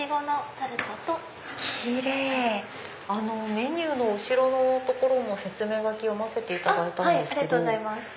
メニューの後ろの説明書き読ませていただいたんですけど。